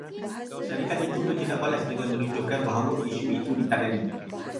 Syarikat itu bertindak balas dengan menunjukkan bahawa isu itu ditangani